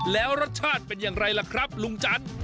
แล้วรสชาติเป็นอย่างไรล่ะครับลุงจันทร์